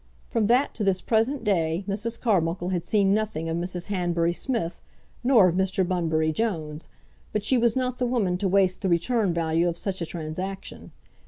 From that to this present day Mrs. Carbuncle had seen nothing of Mrs. Hanbury Smith, nor of Mr. Bunbury Jones, but she was not the woman to waste the return value of such a transaction.